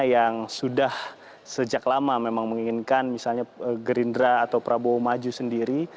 yang sudah sejak lama memang menginginkan misalnya gerindra atau prabowo maju sendiri